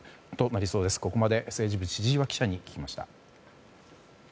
ここまで政治部、千々岩記者に聞きました。